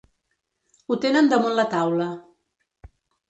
Ho tenen damunt la taula.